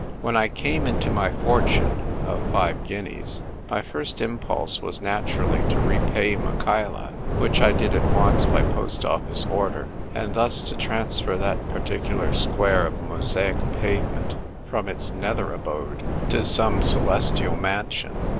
When I came into my fortune (of five guineas) my first impulse was naturally to repay Michaela (which I did at once by post office order), and thus to transfer that particular square of mosaic pavement from its nether abode to some celestial mansion.